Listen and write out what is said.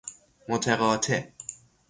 متقاطع